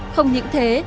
không những thế